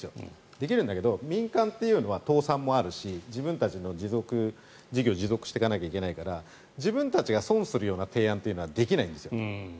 できるんだけど民間というのは倒産もあるし自分たちの事業を持続させないといけないから自分たちが損をするような提案はできないんですよ。